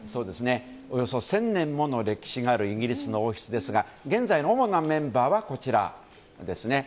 およそ１０００年もの歴史があるイギリスの王室ですが現在の主なメンバーはこちらです。